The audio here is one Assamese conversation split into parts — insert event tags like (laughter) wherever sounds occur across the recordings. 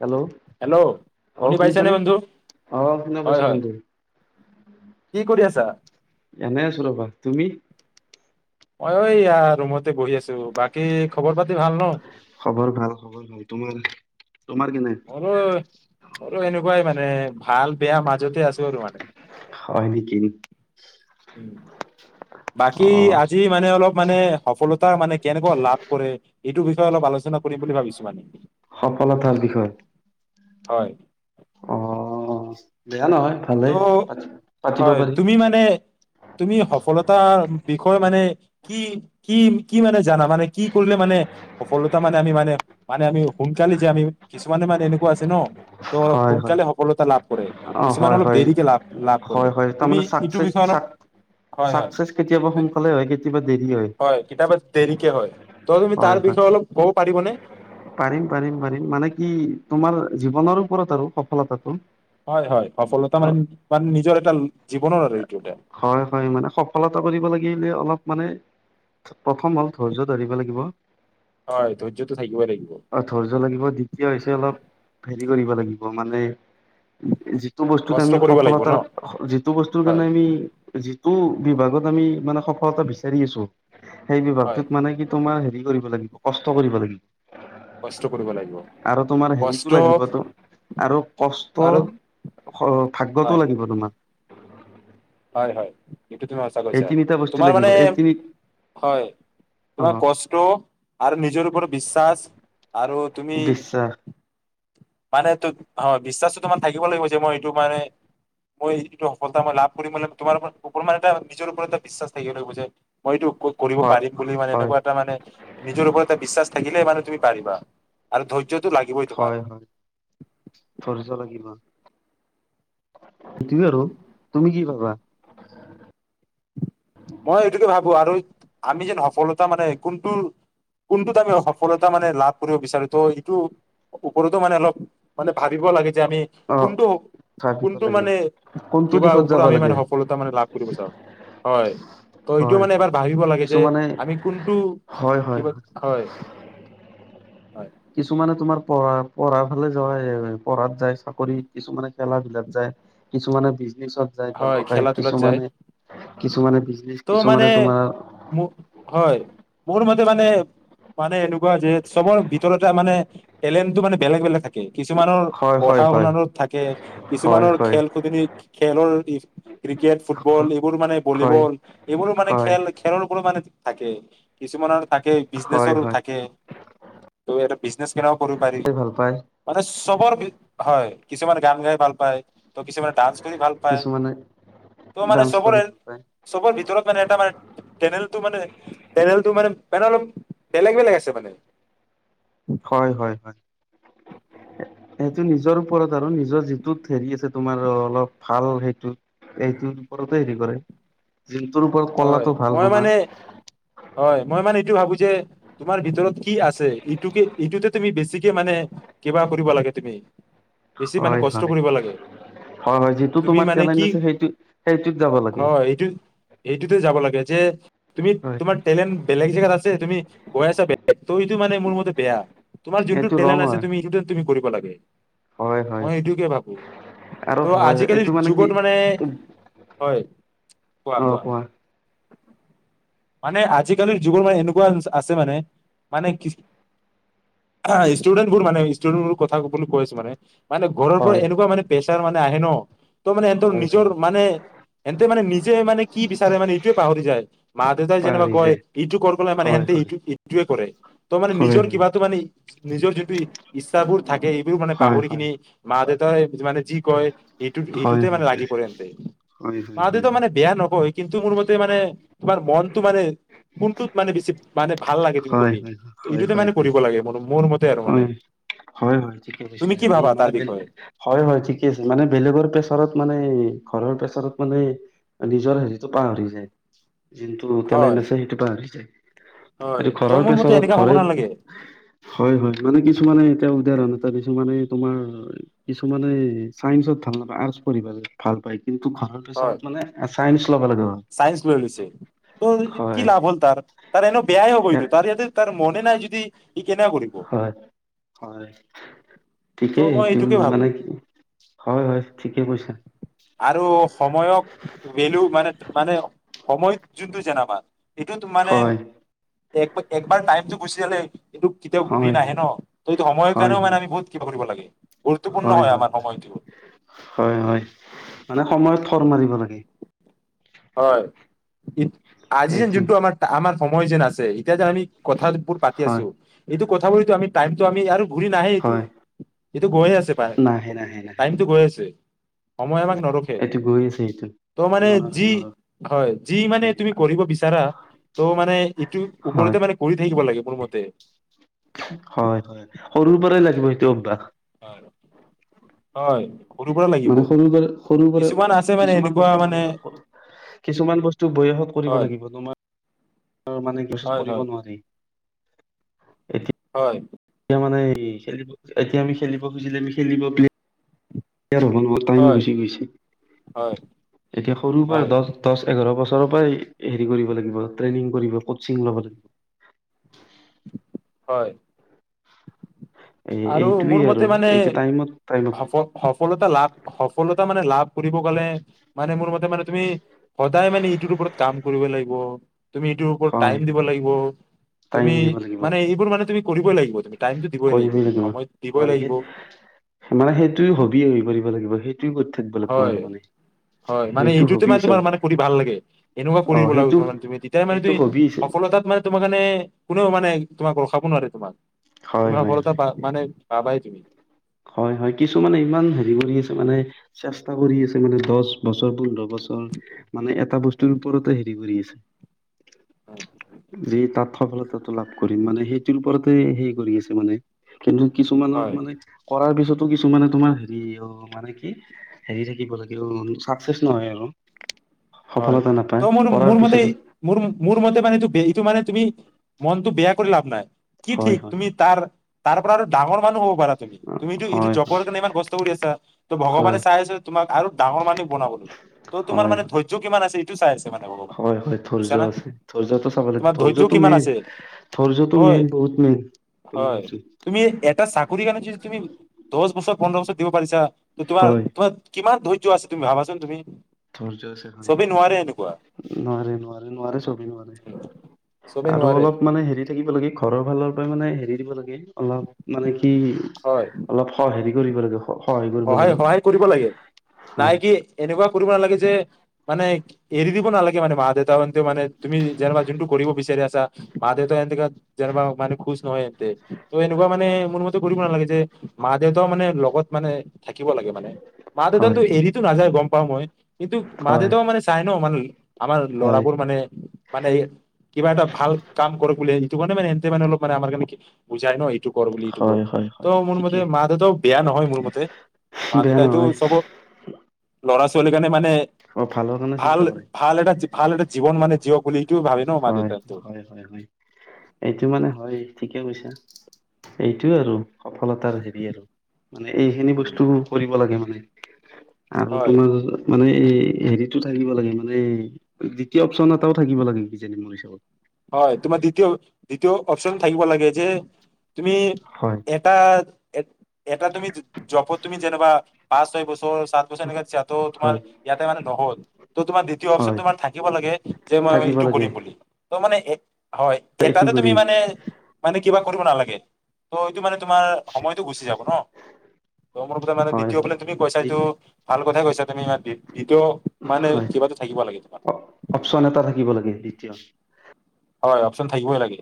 হেল্ল' হেল্ল' অ শুনি পাইছে নে শুনিছানে বন্ধু অ শুনা হয় পাইছো হয় বন্ধু কি কৰি আছা এ নাই আছো ৰবা তুমি অই ঐ ই ৰুমতে বহি আছো বাকী খবৰ পাতি ভাল ন। খবৰ ভাল খবৰ হয় তোমাৰ। তোমাৰ কেনে অ অ এনেকুৱাই মানে ভাল বেয়া মাজ য'তে আছে আৰু মানে হয় নেকি। উম, অ বাকী আজি মানে অলপ মানে সফলতা মানে কেনেকুৱা লাভ কৰে এইটোৰ বিষয়ে অলপ আলোচনা কৰিম বুলি ভাবিছো মানে। সফলতাৰ বিষয়। হয়। অ বেয়া নহয়। তো' ভালেই পাতি পাতিব হয় পাৰি তুমি মানে তুমি সফলতাৰ বিষয়ে মানে কি কি কি মানে জানা মানে কি কৰিলে মানে সফলতা মানে আমি মানে মানে আমি সোনকালে যে আমি কিছুমানে মানে এনেকুৱা আছে ন ত হয় হয় সোনকালে সফলতা লাভ কৰে অ কিছুমান হয় অলপ। হয় দেৰিকে লাভ লাভ কৰে হয় হয় তুমি তাৰমানে ইটো চাকচেচ বিষয়ে অলপ চাক হয় হয় চাকচেচ কেতিয়াবা সোনকালে হয় কেতিয়াবা দেৰি হয় কিতাপত দেৰিকে হয় ত তুমি তাৰ হয় হয় বিষয়ে অলপ কব পাৰিবনে? পাৰিম পাৰিম পাৰিম মানে কি তোমাৰ জীৱনৰ ওপৰত আৰু সফলতাটো। হয় হয় সফলতা অ মানে মান নিজৰ দম হয় হয় মানে সফলতা কৰিব লাগিলে অলপ মানে প্ৰথম হ'ল ধৈৰ্য্য ধৰিব লাগিব। হয় ধয্য টো থাকিব লাগিব। অ ধৈয্য লাগিব দ্বিতীয় হৈছে অলপ হেৰি কৰিব লাগিব মানে যিটো বস্তুত কষ্ট আমি কৰিব লাগিব ন সফলতাৰ যিটো বস্তুৰ হয় কাৰণে আমি টো বিভাগত আমি মানে সফলতা বিচাৰি আছো। সেই হয় বিভাগটোত মানে কি তোমাৰ হেৰি কৰিব লাগিব কষ্ট কৰিব লাগিব। কষ্ট কৰিব লাগিব আৰু তোমাৰ কষ্ট হেৰিটো লাগিব আৰু কষ্ট আৰু হয় ভাগ্য়টো লাগিব তোমাৰ। হয় এইটো তুমি সঁচা এই কৈছা তিনিটা বস্তু তোমাৰ লাগিব মানে এই তিনি হয় অ তোমাৰ কষ্ট আৰু নিজৰ ওপৰত বিশ্বাস আৰু তুমি বিশ্বাস মানে হয় বিশ্বাসটো তোমাৰ থাকিব লাগিব যে মই এইটো মানে মই এইটো সফলতা মই লাভ কৰিম তোমাৰপ মানে এটা নিজৰ ওপৰত এটা বিশ্বাস থাকিব লাগিব যে মই এইটো (unintelligible) কৰিব হয় পাৰম বুলি মানে হয় এনেকুৱা এটা মানে নিজৰ ওপৰত এটা বিশ্বাস থাকিলে মানে তুমি পাৰিবা। আৰু ধৈয্য টো লাগিবই তোমাৰ (unintelligible) খৰচ লাগিব সেইটো আৰু তুমি কি ভাবা। মই এইটোকে ভাবো আৰু আমি যেন সফলতা মানে কোনটো কোনটোত আমি সফলতা মানে লাভ কৰিব বিচাৰো তো এইটো ওপৰতো মানে অলপ মানে ভাবিব লাগে। যে আমি অ কোনটো ভাবিব কোনটো লাগে মানে কোনটো কিবাৰ দিশত ওপৰত যাব আমি মান লাগে সফলতা মানে লাভ কৰিব চাওঁ হয়। ত এইটো হয় মানে এবাৰ হয় ভাবিব লাগে যে কিছুমানে আমি কোনটো হয় কি হয় হয়। হয় কিছুমানে তোমাৰ পঢ়া পঢ়াৰ ফালে যোৱা পঢ়াত যায় চাকৰিত কিছুমানে খেলা বিলাত যায় কিছুমানে য হয় বয়সায় খেলা ধূলাত যায় কিছুমানে কিছুমানে বিজনে ত' মানে কিছুমানে তোমাৰ। মোৰ হয় মোৰ মতে মানে মানে এনেকুৱা যে চবৰ ভিতৰতে মানে টেলেণ্টটো মানে বেলেগ বেলেগ থাকে। কিছুমানৰ হয় হয় পঢ়া হয় শুনাতত থাকে হয় কিছুমানৰ হয় খেল খধ খেলৰ ক্ৰিকেট ফুটবল এইবোৰ মানে হয় ভলীবল এইবোৰো মানে হয় খেল খেলৰ বোৰ মানে থাকে কিছুমানৰ থাকে হয় বিজনেচৰো হয় থাকে ত' এটো বিজনেছ কেনেও কৰিব পাৰি হয় ভাল পায় মানে চবৰ বি হয়। কিছুমান গান গাই ভাল পায়। ত কিছুমানে ডান্স কৰি ভাল পায়। কিছুমানে ত' মানে ডান্স কৰি চবৰে ভাল পায় চবৰ ভিতৰত মানে এটা মানে টেলেণ্টটো মানে টেলেণ্টটো মানে মান অলপ বেলেগ বেলেগ আছে মানে। হয় হয় হয় সেইটো নিজৰ ওপৰত আৰু নিজৰ যিটোত হেৰি আছে তোমাৰ অলপ ভাল সেইটো। এইটো। তৰি কৰে (unintelligible) ওপৰত হয় কলাটো ভাল মই তোমাৰ মানে হয় মই মানে এইটো ভাবো। যে তোমাৰ ভিতৰত কি আছে ইটোকে ইটোতে তুমি বেছিকে মানে কিবা কৰিব লাগে তুমি বেছি মানে কষ্ট কৰিব লাগে যিটো তুমি তোমাৰ মানে কি আ সেইটোত যাব লে হয় এইটো এইটোতে যাব লাগে যে তুমি তোমাৰ টেলেণ্ট বেলেগ জেগাত আছে তুমি। গৈ আছা বেগ ত এইটো মানে মোৰ মতে বেয়া। তোমাৰ এইটো ৰং যোনটেলেণ্ আ হয় তুমিটো তুমম। লাগে হয় হয় মই সেইটোকে ভাবো আৰু ত' হয় আজিকালিৰ এইটো কি যুগত মানে হয় অ কোৱা। মানে আজিকালিৰ যুগৰ মানে এনেকুৱা আছে মানে মানে কি ষ্টুডেন্ট বোৰ মানে ষ্টুডেন্ট বোৰ কথা কৈ আছে মানে। মানে ঘৰৰ পৰা হয় এনেকুৱা মানে তাৰ মানে আহে ন। ত মানে এ হয় নিজৰ হয় মানে এন্তে মানে নিজে কি বিচাৰে মানে এইটোোৱে পাহৰি যায়। মা দেউতাই যেনিবা পাহৰি কয় যায় ইটো কৰ কলে মানে হয় সেহতে হয় ইটো ইটোৱে কৰে ত মানে হয় হয় নিজৰ কিবাটো মানে নিজৰ যিটো ইচ্ছাাবোৰ থাকে এইবোৰো মানে হয় হয় পাহৰি কিনি হয় মা দেউতাই মানে যি কয়। ই হয় ইটোতে হয় হয় মানে লাগি পন্ততে হয় হয় হয় হয় মৱ (unintelligible) মানে বেয়া নহব কিন্তু মোৰ মতে মানে তোমাৰ মনটো মানে কোনটোত মানে বেছি মানে ভাল (unintelligible) হ কৰি ত' এইটোতে মানে কৰিব লাগে মোৰ মোৰ মতে আৰু মানে হয় তুমি কি ভাবা তাৰ বিষয়ে ঠিকে মানে বেলেগৰ পেছাৰত মানে ঘৰৰ পেচাৰত মানে নিজৰ হেৰিতটো পাহৰি যায় যোনটো তেলাই ন হয় আছে সেইটো পি যায় হয় এইটো ত ঘৰৰ মোৰ মতে প্ৰেছাৰত এনেকা হ'ব ঘৰে নালাগে হয় হয় মানে কিছুমানে এতিয়া উদাৰ ন (unintelligible) কিিছুমানে তোমাৰ কিছুমানে চাইন্সত ভাল নাপায় আৰ্টচ পঢ়িব ভাল পায় (unintelligible) হয় প্ৰেছাৰত মানে চাইন্স ল'ব লগা চ ল লৈছে ত কি হয়। লাভ হ'ল তাৰ ত এনে বেয়া (unintelligible) হবটো ত যয়াতে তাৰ মনে নাই যদি (unintelligible) হয় হয় ত' ঠিকেই মই সটো এইটোকে ভাবো মানে কি হয় হয় ঠিকে কৈছা আৰু সময়ক বেলু মানে মানে সময়ত যোনটো যেন মাৰ এটো মানে হয় এক একবাৰ াইমটো গুচি গলে (unintelligible) এইটো কেতিয়াও ঘূৰি হয় নাহে ন ত এইটো সময়ৰ হয় হয় কাৰণে মানে হয় আমি বহুত কিবা কৰিব লাগে (unintelligible) গুৰুত্বপূৰ্ণ হয় আমাৰ সময়টো হয় হয় মানে সময়ত থৰ মাৰিব লাগে। হয় আজি যে এইটো যোনটো আাৰ আমাৰ সময় যেন আছে এতিয়া যে আমি কথ বোৰ পাতি হয় আছো এইটো কথাবিতো আমি টাইমটো আমি আৰু ঘূৰি নাহে এইটো হয় এইটো গৈয়ে আছে নাহে নাহে নাহে টাইমটো গৈ আছে সময় আমাক নৰোখে এইটো গৈ আছে এইটো তো মানে নৰখে যি নৰখে হয় যি মানে তুমি কৰিব বিচাৰা ত' মানে এইটো হয় ওপৰতে মানে কৰি (unintelligible) থাকিব লাগে মোৰমতে হয় হয় সৰুৰ পৰাই লাগিব সেইটো অ বাহ হয় হয় সৰুৰ পৰা লাগিব মানে সৰু পৰা সৰু পৰা কিছুমান আছে মানে কিছুমান এনেকুৱা বস্তু মানে বয়সত কিছুমান বস্তু বয়সত কৰিব হয় লাগিবোম মানে গছত হয় কৰিব হয় নোৱাৰি (unintelligible) উম হয় এতিয়া মানে খেলিব এতিয়া আমি খেলিব খুজিলে আমি খেলিব প (unintelligible) টাই হয় গুচি গৈছে হয় এতিয়া সৰুৰ পৰা হয় দহ দহ এঘাৰ বছৰ হ কৰিব লাগিব্ৰেইং কৰিব কচি লব লাগ (unintelligible) হয়। এই আৰু মোৰ এইটোৱেই মতে আৰু মানে এইটো টাইমত টাইমত সফ সফলতা লাভ সফলতা মানে লাভ কৰিব গলে মানে মোৰ মতে মানে তুমি সদায় মানে ইটোৰ ওপৰত কাম কৰিব লাগিব তুমি ইটোৰ ওপৰত টাইম হয় দিব হয় লাগিব টাইম তুমি দিব লাগিব মানে এইবোৰ মানে তুমি কৰিবই লাগিব তুমি। টমটো দিবই লাগিব কৰিবই তুমি সময়ত দিবই হয় সেই লাগিব মানে সেইটো হবি কৰিব লাগিব সেই হয় হয় মানে সেইটো এইটোতো হবি মানে হিচাপ তোমাৰ মানে কৰি ভাল লাগে এনেকুৱা অ কৰিব লাগ সেইটো মে তুমি তেতিয়া মানে সেইটো তমি হবি হিচাপ সফলতাত মানে তোমাৰ কাৰানে কোনেও মানে (unintelligible) তোমাক ৰখাব নোৱাৰে তোমাক হয় হয় তমিলত প হয় মানে (unintelligible) পাবাই তুমি। হয় হয় কিছুমানে ইমান হেৰি কৰি আছে মানে চেষ্টা কৰি আছে মানে দহ বছৰ পোন্ধৰ বছৰ (unintelligible) মানে এটা উম, বস্তুৰ ওপৰতে হেৰি কৰি আছে উম, যি তাত। সফলতাটো লাভ কৰিম মানে সেইটোৰ ওপৰতে হে কৰি আছে মানে কিন্তু (unintelligible) কিছুমানৰ হয় মানেৱ তাৰপিছতো কিছুমানে তোমাৰ হেৰি অ মানে কি হেৰি থাকিব লাগে অ চাকচেচ নহয় আৰু (unintelligible) হয় সফলতা ত নাপায় মোৰ কৰাৰ মোৰ মতে পিছতো মোৰ মোৰ মতে মানেটো এইটো মানে (unintelligible) তুমি মনটো বেয়া কৰি লাভ নাই কি হয় ঠিক হয় তুমি তাৰ। তাৰ পৰা আৰু ডাঙৰ মানুহ হওঁক পাৰা তুমি তুমিতো হয় এইটো হয় জপৰ কাৰণে ইমান কষ্ট কৰি আছা ত' ভগৱানে হয় চাই আছ তুোম আৰু (unintelligible) ডাঙৰ মানুহ বনাবলৈ তোমাৰ হয় মান ধৈৰ্য য কিমান আছে এইটো চাই আছে মানে ভগৱানে হয় হয় বুজিছা ধৈৰ্য না আছে ধৈৰ্যো চাব লাগে তোমাৰ ধৈৰ্য ধৈৰ্যতো কিমান মেইন আছে ধৰ্যটোো হয় মেইন বহুত মেইন তোমাৰ। হয় তুমি এটা চাকৰি কাৰণে যদি তুমি (unintelligible) দহ বছৰ পন্ধৰ বছৰ দিব পাৰিছা ত তমাৰ হয় তম কিমান ধ। আ তুমি ভাবাচোন তুমি থ জ (unintelligible) (unintelligible) চবেই নোৱাৰে এনেকুৱা নোৱাৰে নোৱাৰে নোৱাৰে চবে নোৱাৰে। উম। চবেই আৰু নোৱাৰে অলপ মানে হেৰি থাকিব লাগে ঘৰৰ ফালৰ পৰা মানে হেৰি দিব লাগ (unintelligible) (unintelligible) অলপ মানে কি হয় অলপ স হেৰি জুৰিবৰ্গ সহায় - সহায় কৰিব লাগে, নাই হয় কি এনেকুৱা কৰিব নালাগে যে মানে এৰি দিব নালাগে মানে মা-দেউতা (unintelligible) মানে তুমি যেনাবা যোনটো কৰিব বিচাৰি আছ চা মা-দেউতা (unintelligible) যেনেবা‌ মানে খুচ নহয় এন্তে। ত' এনেকুৱা মানে মোৰ মতে কৰিব নালাগে যে মা দেউতাও মানে লগ গত মানে থাকিব লাগে মানে মা-দেউতান ত' হয় হয় এৰিতো নাযায় গম পাওঁ মই। কিন্তু হয় মা-দেউতাও মানে চাই ন মান ল আমাৰ হয় ল'ৰাবোৰ মানে - মানে কিবা এটা ভাল কাম কৰক বুলি সিটো কাৰণে মানে সেন্তে মানে অলপ মানে আমাৰ কাৰে কি বুজাই ন' এই টো কৰ বুলি এইটো কৰ। হয় হয় হয় ত' মোৰ মতে ঠিকেই মা-দেউতাও বেয়া নহয় মোৰ মতে। বেয়া মা-দেউতাইটো নহয় চব' ল'ৰা ছোৱালীৰ কাৰণে মানে অ ভালৰ কাৰণে ভাল চিন্তা কৰে - ভাল এটা ভাল এটা জীৱন মানে জীওক বুলি ইটোও ভাবে ন হয় মাক-দেউতাই তো। হয় হয় কিয় কৈছা? এইটোৱে আৰু। সফলতাৰ হেৰি আৰু। মানে এইখিনি বস্তু কৰিব লাগে মানে। আৰু হয় তোমাৰ (unintelligible) এই হেৰিটো থাকিব লাগে মানে এই দ্বিতীয় অপচন এটাও থাকিব লাগে কিজানি মোৰ হিচাপত। হয় তোমাৰ দ্বিতীয় - দ্বিতীয় অপচন থাকিব লাগে যে তুমি হয় এটা (unintelligible) এটা তুমি জপত তুমি যেনেবা পাঁচ ছয় বছ (unintelligible) ছাত বছৰ এনেকা দিছা, ত' তোমাৰ হয় ইয়াতে মানে নহ'ল, ত' তোমাৰ দ্বিতীয় অপচন হয় তোমাৰ থাকিব লাগে যে মই থাকিব এইটো লাগে কৰিম বুলি। ত মানে এ হয় এইটো এটাতে তুমি কৰিম মানে - মানে কিবা কৰিব নালাগে, ত মানে তোমাৰ সময়টো গুচি যাব ন? ত মোৰ কথা মানে হয় দ্বিতীয় হয় বোলে তুমি হয় কৈছা এইটো ভাল কথাই কৈছা তুমি ই দ্বিতীয় মানে হয় কিবাটো থাকিব লাগে তোমাৰ। অপচন এটা থাকিব লাগে দ্বিতীয় হয় অপচন থাকিবই লাগে।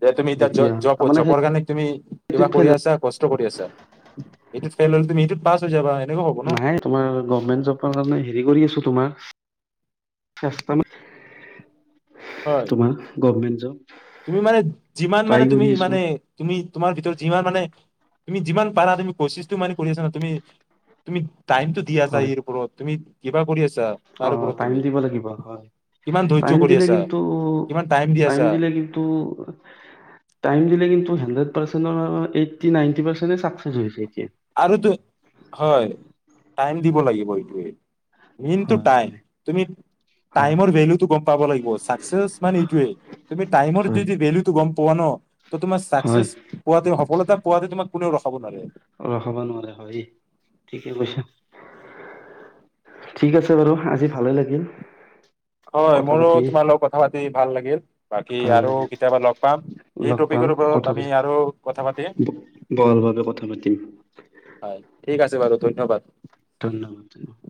যে তুমি এতিয়া দ্বিতীয় জব তাৰমানে জবৰ কাৰণে তুমি কিবা সেইটোত কৰি ফেইল আছা কষ্ট কৰি আছা। এইটো ফেল হলে তুমি ইটোত পাছ হৈ যাবা। এনেকুৱা হ'ব ন নাই তোমাৰ গভমেন্ট জবৰ কাৰনে হেৰি কৰি আছোঁ তোমাৰ। (unintelligible) হয় তোমাৰ গভমেণ্ট ত তুমি মানে যিমান মানে তুমি মানে তুমি তোমাৰ ভিতৰত যিমান মানে তুমি যিমান পাৰা তুমি কচিছটো মানে কৰি আছা ন। তুমি তুমি টাইমটো দি আছা হয় ইয়াৰ ওপৰত তুমি কিবা কৰি আ ছা তাৰ অ ওপৰত টাইম তুমি। দিব লাগিব হয় কিমান ধৈৰ্য টাইম কৰি দিলে আছা, কিমান টাইম দি আছা, ন্তু টাইম দিলে কিন্তু সান্দ্ৰেদ পাৰ্চেন্টৰ এইট্টি নাইন্টি পাৰ্চেণ্টে ছাকছেছ হৈছে। এতিয়া। আৰু তই হয়, টাইম দিব লাগিব। হয় (unintelligible) হয়। তুমি টাইমৰ ভেলু টো গ'ম পাব লাগিব, ছাকছেছ মানে এইতোৱে, তুমি টাইমৰ হয় যদি ভেলু টো গ'ম পোৱা ন ত তোমাৰ চাকচেছ হয় পোৱাটো সফলতা পুৱাতে তোমাক কোনেও ৰখাব নোৱাৰে। অ হব নোৱাৰে, হয়, ঠিকে কৈছা। ঠিক আছে বাৰু আজি ভালে লাগিল। হয় কথা মোৰো পাতি তোমাৰ লগত কথা পাতি ভাল লাগিল, বাকী ভাল আৰু লাগিল। কেতিয়াবা লগ পাম, এই লগ পাম টপিকৰ কথা ওপৰত আমি পাতি আৰু কথা পাতিম। বৰ বাবে কথা পাতিম হয়। ঠিক আছে বাৰু ধন্যবাদ। ধন্যবাদ ধন্যবাদ।